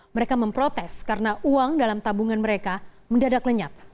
mereka memprotes karena uang dalam tabungan mereka mendadak lenyap